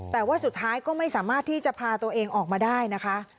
แต่ว่าสุดท้ายก็ไม่สามารถที่จะพาตัวเองออกมาได้นะคะ